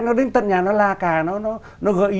nó đến tận nhà nó la cà nó gợi ý